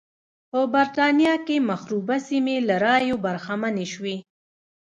په برېټانیا کې مخروبه سیمې له رایو برخمنې شوې.